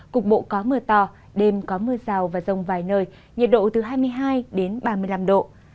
cục bộ có mưa to đêm có mưa rào và rông vài nơi nhiệt độ từ hai mươi hai đến ba mươi năm độ